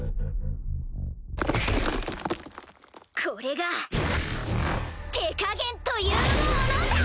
これが手加減というものだ‼